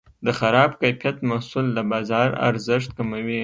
د خراب کیفیت محصول د بازار ارزښت کموي.